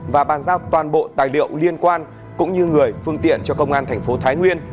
và bàn giao toàn bộ tài liệu liên quan cũng như người phương tiện cho công an thành phố thái nguyên